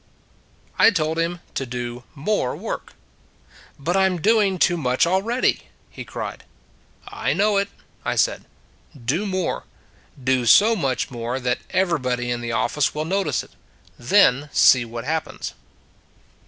I told him to do more work. " But I m doing too much already! " he cried. " I know it," I said. " Do more. Do so much more that everybody in the office 39 40 will notice it. Then see what happens."